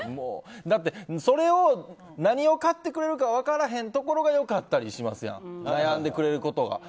だって、何を買ってくれるか分からないところが良かったりしますやん悩んでくれることが。